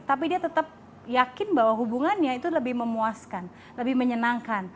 tapi dia tetap yakin bahwa hubungannya itu lebih memuaskan lebih menyenangkan